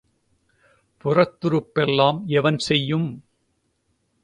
புறத்துறுப்பெல்லாம் எவன் செய்யும்?